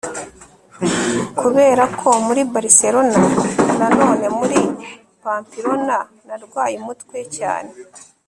kuberako muri barcelona na none muri pamplona, narwaye umutwe cyane